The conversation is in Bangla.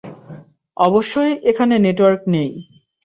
অবশ্যই এখানে নেটওয়ার্ক নেই।